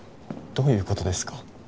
どういう事ですか？